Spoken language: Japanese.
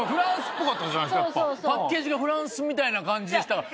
パッケージがフランスみたいな感じしてたから。